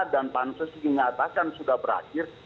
dan pansus dikatakan sudah berakhir